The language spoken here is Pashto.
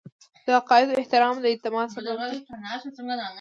د عقایدو احترام د اعتماد سبب دی.